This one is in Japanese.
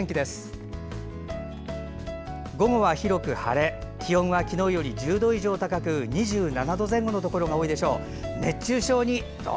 午後は広く晴れ、気温は昨日より１０度以上高く２７度前後のところが多いでしょう。